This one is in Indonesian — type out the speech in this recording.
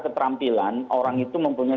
keterampilan orang itu mempunyai